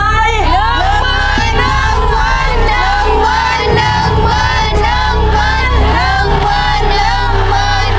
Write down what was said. น้ำมันน้ำมันน้ำมันน้ำมัน